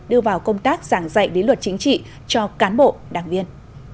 đưa vào công tác giảng dạy lý luật chính trị cho cán bộ đảng viên